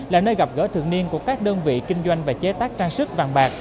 là nơi gặp gỡ thượng niên của các đơn vị kinh doanh và chế tác trang sức vàng bạc